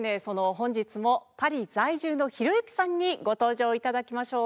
本日もパリ在住のひろゆきさんにご登場頂きましょう。